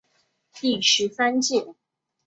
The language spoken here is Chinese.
第十三届